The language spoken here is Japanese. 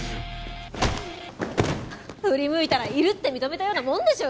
振り向いたらいるって認めたようなもんでしょうが。